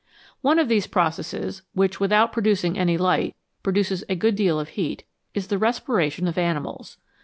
One of these processes, which, without producing any light, produces a good deal of heat, is the respiration of animals.